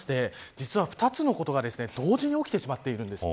実は２つのことが同時に起きてしまっているんです。